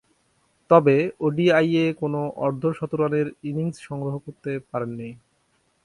তবে, ওডিআইয়ে কোন অর্ধ-শতরানের ইনিংস সংগ্রহ করতে পারেননি।